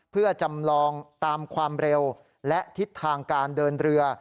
เพื่อจำลองตามความเร็วและทิศทางการเดินเรือ